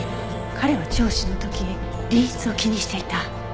彼は聴取の時隣室を気にしていた。